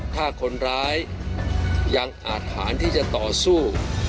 ถ้าคนร้ายยังอาถรรที่จะต่อสู้